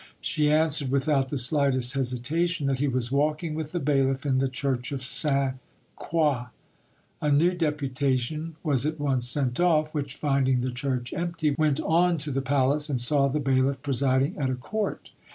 She answered without the slightest hesitation that he was walking with the bailiff in the church of Sainte Croix. A new deputation was at once sent off, which finding the church empty, went on to the palace, and saw the bailiff presiding at a court.